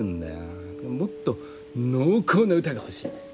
もっと濃厚な歌が欲しい。